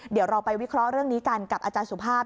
เดี๋ยวเราไปวิเคราะห์เรื่องนี้กันกับอาจารย์สุภาพ